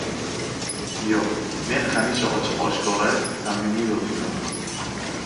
Yo‘q, men hamisha ochiq-oshkora, samimiy yo‘l tutaman.